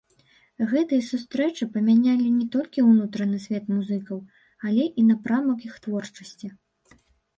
Гэтыя сустрэчы памянялі не толькі ўнутраны свет музыкаў, але і напрамак іх творчасці.